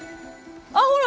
あっほら！